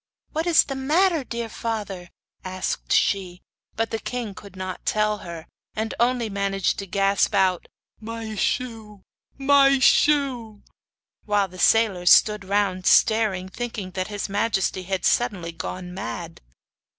'What is the matter, dear father?' asked she. But the king could not tell her; and only managed to gasp out: 'My shoe! my shoe!' While the sailors stood round staring, thinking that his majesty had suddenly gone mad.